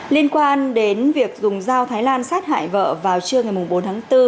liên quan đến việc dùng dao thái lan sát hại vợ vào trưa ngày bốn tháng bốn